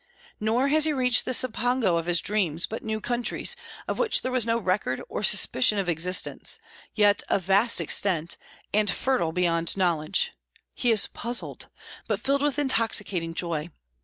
Nor has he reached the Cipango of his dreams, but new countries, of which there was no record or suspicion of existence, yet of vast extent, and fertile beyond knowledge. He is puzzled, but filled with intoxicating joy.